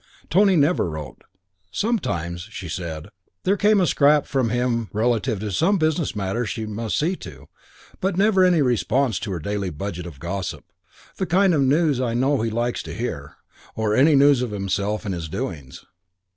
Tony never wrote. Sometimes, she said, there came a scrap from him relative to some business matter she must see to; but never any response to her daily budget of gossip "the kind of news I know he likes to hear" or any news of himself and his doings.